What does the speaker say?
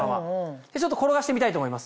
ちょっと転がしてみたいと思います。